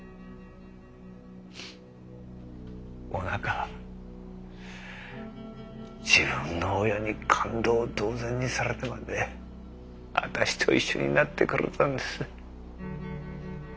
おなかは自分の親に勘当同然にされてまで私と一緒になってくれたんです。